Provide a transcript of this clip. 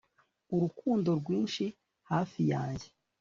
urukundo rwinshi hafi yanjye